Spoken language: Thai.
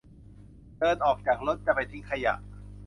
เดินออกจากรถจะไปทิ้งขยะ